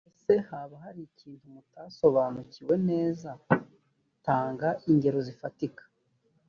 ese haba hari ikintu mutasobanukiwe neza tanga ingero zifatika